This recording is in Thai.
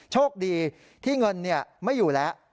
โชคดีที่เงินไม่อยู่แล้ว